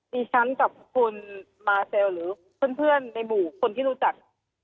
ดิฉันกับคุณมาเซลหรือเพื่อนในหมู่คนที่รู้จัก